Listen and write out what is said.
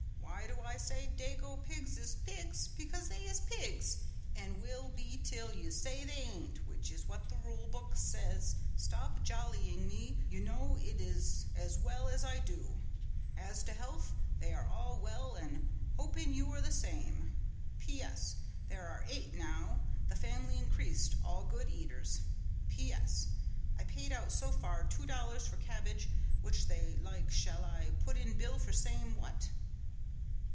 "Why do I say dago pigs is pigs because they is pigs and will be til you say they ain't which is what the rule book says stop your jollying me you know it as well as I do. As to health they are all well and hoping you are the same. P. S. There are eight now the family increased all good eaters. P. S. I paid out so far two dollars for cabbage which they like shall I put in bill for same what?"